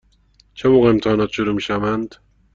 چه موقع امتحانات شروع می شوند؟